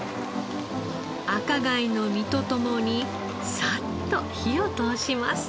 赤貝の身と共にさっと火を通します。